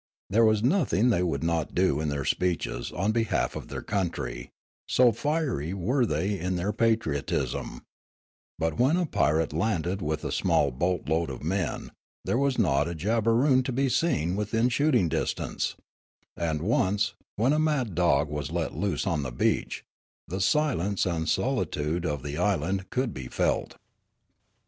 There was nothing they would not do in their speeches on behalf of their country, so fiery were they in their patriotism; but when a pirate landed with a small boat load of men, there was not a Jabberoon to be seen within shooting distance, and once, when a mad dog was let loose on the beach, the silence and solitude of the island could be felt.